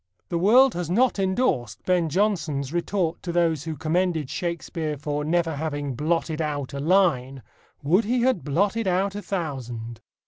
The world has not endorsed Ben Jonson's retort to those who commended Shakespeare for never having "blotted out" a line: "Would he had blotted out a thousand!"